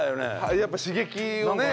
やっぱ刺激をね歯にね。